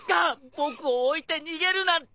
僕を置いて逃げるなんて！